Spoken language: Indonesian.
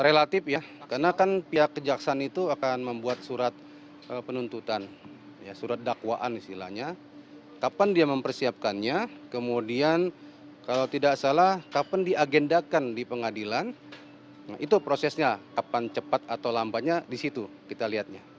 relatif ya karena kan pihak kejaksaan itu akan membuat surat penuntutan surat dakwaan istilahnya kapan dia mempersiapkannya kemudian kalau tidak salah kapan diagendakan di pengadilan itu prosesnya kapan cepat atau lambatnya disitu kita lihatnya